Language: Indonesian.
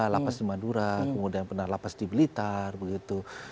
lapas di madura kemudian lapas di blitar begitu